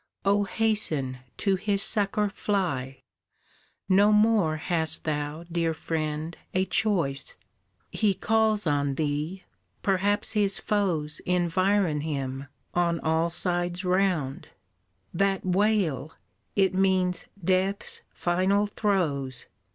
Oh hasten, to his succour fly, No more hast thou, dear friend, a choice. He calls on thee, perhaps his foes Environ him on all sides round, That wail, it means death's final throes!